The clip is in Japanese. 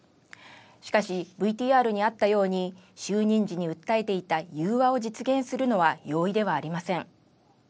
しかしＶＴＲにあったように、就任時に訴えていた融和を実現するのは容易ではありません。